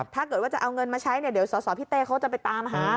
ถ้าเกิดว่าจะเอาเงินมาใช้เนี่ยเดี๋ยวสสพี่เต้เขาจะไปตามหา